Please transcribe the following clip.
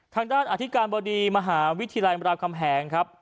ทางด้านอธิการบดีมหาวิทยาลัยมราคำแหงครับ